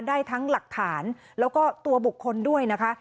ได้ทั้งหลักฐานแล้วก็ตัวบุคคลด้วยนะคะ